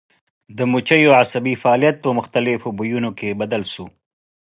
د مچیو عصبي فعالیت په مختلفو بویونو کې بدل شو.